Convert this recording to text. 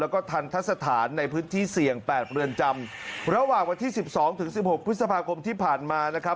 แล้วก็ทันทศสถานในพื้นที่เสียงแปดเรือนจำระหว่างวันที่๑๒๑๖พฤษภาคมที่ผ่านมานะครับ